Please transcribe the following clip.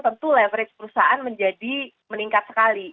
tentu leverage perusahaan menjadi meningkat sekali